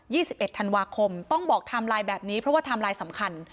ยี่สิบเอ็ดธันวาคมต้องบอกแบบนี้เพราะว่าสำคัญ